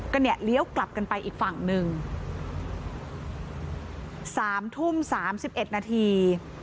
ก็เนี่ยเลี้ยวกลับกันไปอีกฝั่งหนึ่งสามทุ่มสามสิบเอ็ดนาที